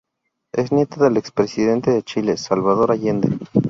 Es nieta del expresidente de Chile, Salvador Allende.